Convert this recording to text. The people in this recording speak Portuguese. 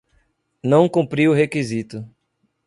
Não cumpri o requisito